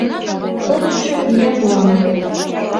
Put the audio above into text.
Кокымшым ия пуа, маныт».